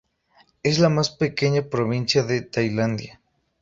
Es la más pequeña provincia de Tailandia.